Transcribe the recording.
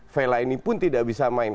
vela ini pun tidak bisa main